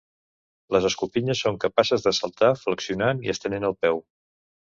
Les escopinyes són capaces de "saltar" flexionant i estenent el peu.